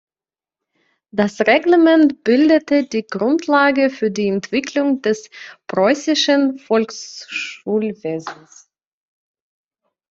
Das Reglement bildete die Grundlage für die Entwicklung des preußischen Volksschulwesens.